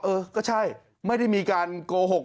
เออก็ใช่ไม่ได้มีการโกหก